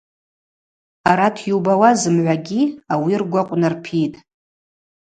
Арат йубауа зымгӏвагьи ауи ргвы акъвнарпитӏ.